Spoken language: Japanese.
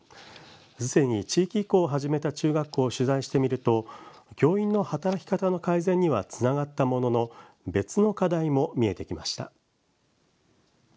すでに地域移行を始めた中学校を取材してみると教員の働き方の改善にはつながったものの別の課題も見えてきました。